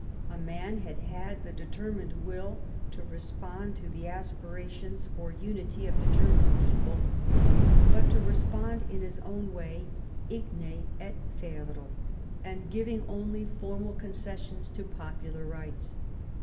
A man had had the determined will to respond to the aspirations for unity of the German people, but to respond in his own way, igne et ferro, and giving only formal concessions to popular rights.